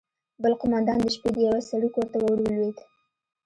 بل قومندان د شپې د يوه سړي کور ته ورولوېد.